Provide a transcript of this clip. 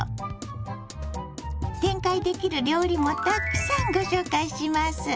展開できる料理もたくさんご紹介します。